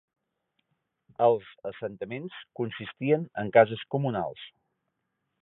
Els assentaments consistien en cases comunals.